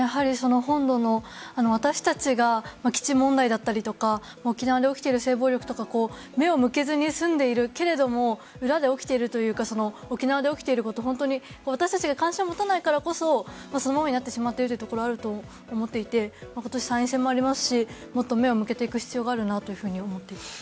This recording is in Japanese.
本土の私達が基地問題だったりとか沖縄で起きている性暴力とか目を向けずに済んでいるけれども裏で起きているというか沖縄で起きていること私たちが関心を持たないからこそそのままになってしまっているところはあると思っていて今年、参院選もありますしもっと目を向けていく必要があると思っています。